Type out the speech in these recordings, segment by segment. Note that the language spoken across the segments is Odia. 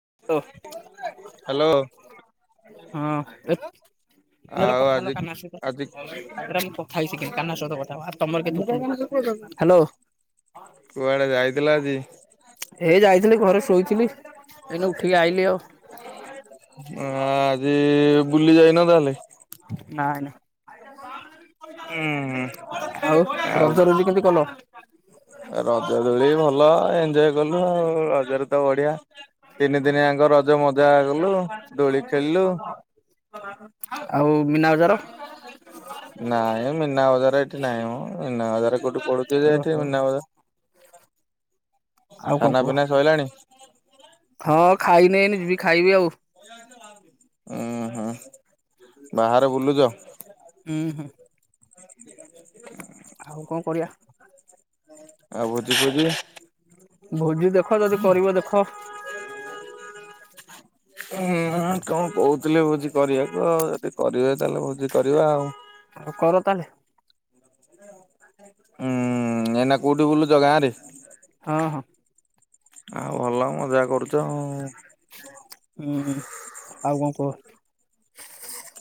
[unintelligible] ହ୍ୟାଲୋ ଆଉ କଥା ହେ ଆଜି କାନ ସହିତା କଥା ଆଜି ହେଇ କାନନା ସହିତ କଥା ତମର କେ ହ୍ୟାଲୋ କୁଆଡେ ଏଇ [unintelligible] ଯାଇଥିଲି ଘରେ ଶୋଇଥିଲି। ଏଇନେ ଉଠିକି ଆଇଲି ଆଉ। ହଁ ଆ ଆଜି ବୁଲି ଯାଇନ ତାହେଲେ ନାଇଁ ନହିଁ ହୁଁ ଆଉ ରଜ ରୁଜି କେମିତି କଲ ରଜ ଦୂଳି ଭଲ ଏଞଜୟ କଲୁ ଆଉ ରଜରେ ତ ବଢିଆ ତିନି ଦିନିଆଙ୍କ ରଜ ମଜା କଲୁ ଦୋଳି ଖେଳିଲୁ [unintelligible] ମୀନା ବଜାର? ନାହିଁ ମୀନାବଜାର ଏଠି ନାହିଁଁ ମ। ମିନ। ବଜାର। କୋଉଠି ପଡୁଛି ଯେ। ଏ ଠି। ଓହୋ ମୀନାବଜାର ଆଉ କଣ କୁହ ହଁ ଖାଇନିନି ଯିବ ଖାଇବି ଆଉ। ଉୁଁ ହୁଁ ବାହାରେ ବୁଲୁଛ ହୁଁ ହୁଁ। [inaudible] ଆଉ କଣ ଆଉ ଭୋଜି କରିବାଆ ଫୋଜି? ଭୋଜି ଦେଖ ଯଦି କରିବ ଦେଖ [unintelligible] ହୁଁ କଣ କହୁଥିଲେ ଭୋଜିି କରିବାକୁ ଆଉ ଯଦି କରିବେ ତାହେଲେ ଭୋଜି କରିବା ଆଉ ଆଉ କର ତାହେଲେ ହୁଁ ଏନା କୋଉଠି ବୁଲୁଛ ଗାଁରେ ହଁ, ହଁ। ଆଉ, ଭଲ ମଜାହା କରୁଛ ଆଉ। ହୁଁ। ଆଉ କଣ କୁହ।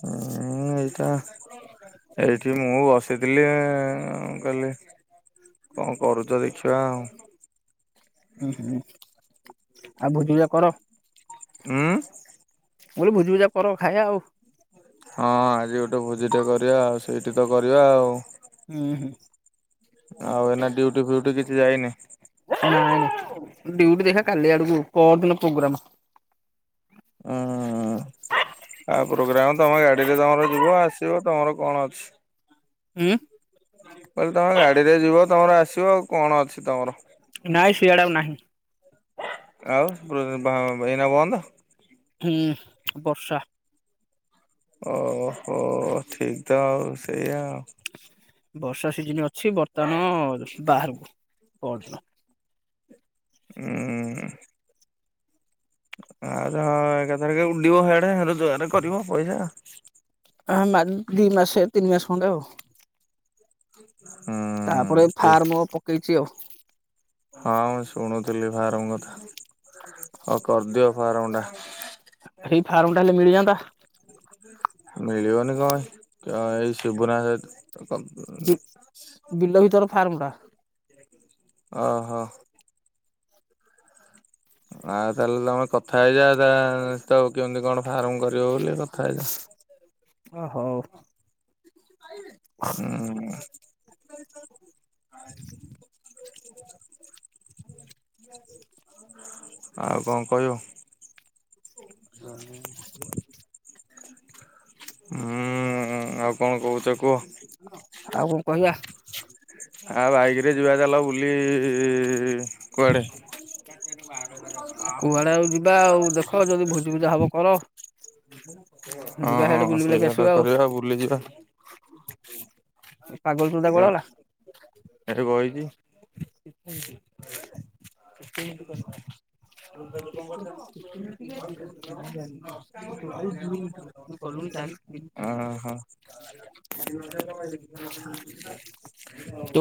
ହଁ ଏଇଟା। ଏଇଠି ମୁଁ ବସି କହିଲେ କଣ କରୁଛ ଦେଖିବା ଆଉ। ଉୁଁ ହୁଁ। ଆଉ ଭୋଜି ଭଜ କର। ହଁ। ମୁଁ ଭୋଜିିବୁଜା କର। ଖାଇବା ଆଉ। ହଁ। ଆଜି ଗୋଟେ ଭୋଜି ଟେ କରିବା ଆଉ। ସେଇଠି ତ କରିବା ଆଉ। ହୁଁ, ହୁଁ। ଆଉ ଏନା ଡ୍ୟୁଟି ଫ୍ୟୁଟି କିଛି ଯାଇନି। ନା। ଡିଉଟି ଦେଖା କାଲି ଆଡକୁ। ପର ଦିନ ପ୍ରୋଗ୍ରାମ ହଁ। ଆଉ ପ୍ରୋଗ୍ରାମ। ତମ ଗାଡିରେ ତମର ଯିବ ଆସିବ। ତମର କଣ ଅଛି। ହୁଁ। କହିଲି ତମେ ଗାଡିରେ ଯିବ, ତମର ଆସିବ। ଆଉ କଣ ଅଛି ତମର। ନାଇଁ ଶିଆଡେ ଆଉ ନାହିଁ। ଆଉ ଏଇନା ବନ୍ଦ। ହୁଁ। ବର୍ଷା। ଓହୋ। ଠିକ ତ ଆଉ। ସେଇଆଉ। ବର୍ଷା ସିଜନ ଅଛି। ବର୍ତ୍ତମାନ ବାହାରକୁ। ପଦିନ ହୁଁ। ଆ ହଁ। ଏକ ତାରିଖ ଉଡିବ ସେଆଡେ। ରୋଜଗାର କରିବ ପଇସା। ଆ। ଦି ମାସ ତିନି ମାସ ଖଣ୍ଡେ ଆଉ। ତାପରେ ହୁଁ ଠିକ୍ ଫାର୍ମ ପକେଇଛି ଆଉ। ହଁ, ମୁଁ ଶୁଣୁଥିଲି ଫାର୍ମ କଥା। ହଉ କରିଦିଅ ଫାର୍ମ ଟା। ସେଇ ଫାର୍ମଟା ହେଲେ ମିଳିଯାଆନ୍ତା। ମିଳିବନି କଣ। ଏଇ ଶିବୁନା ସ କପ [unintelligible] ବିଲ ଭିତର ଫାର୍ମ ଟା। ଓ ହୋ। ଆଉ ତାହେଲେ ତମେ କଥା ହେଇଯା। ତ କେମିତି କଣ ଫାର୍ମ କରିବ ବୋଲି, କଥା ହେଇଯା। [inaudible] ଓ ହଉ। ହୁଁ। [inaudible] ଆଉ କଣ କହିବ। [inaudible] ହୁଁ। ଆଉ କଣ କହୁଛ କୁହ। ଆଉ କଣ କହିବା। ଆଉ ବାଇକ ରେ ଯିବା ଚାଲ ବୁଲି କୁଆଡେ। କୁଆଡେ ଆଉ ଯିବା ଆଉ। ଦେଖ ଯଦି ଭୋଜି ଭୁଜା ହବ କର। ଯିବା ସେଆଡେ ହଁ। ବୁଲି ବୁଲାକି ସେଇଆ ଆସିବା ଆଉ କରିବା, ବୁଲିଯିବା। ପାଗଳ ଚୁଦା କୁଆଡେ ଗଲା ଏଇ ବଇଚି। [inaudible] [unintelligible] [unintelligible] ଆଁ ହଁ। ତୁ